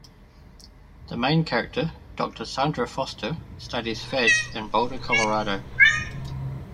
The main character, Doctor Sandra Foster, studies fads in Boulder, Colorado.